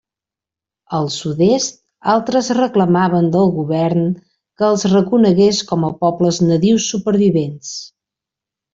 Al sud-est, altres reclamaven del govern que els reconegués com a pobles nadius supervivents.